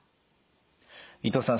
伊藤さん